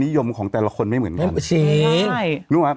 นิยมของแต่ละคนไม่เหมือนกัน